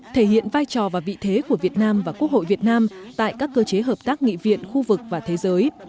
thể hiện vai trò và vị thế của việt nam và quốc hội việt nam tại các cơ chế hợp tác nghị viện khu vực và thế giới